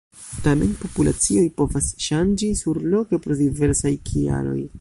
Tamen, populacioj povas ŝanĝi surloke pro diversaj kialoj.